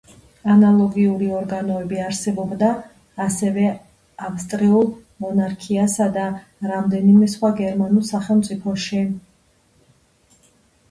ანალოგიური ორგანოები არსებობდა ასევე ავსტრიულ მონარქიასა და რამდენიმე სხვა გერმანულ სახელმწიფოში.